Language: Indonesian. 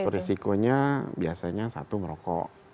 risikonya biasanya satu merokok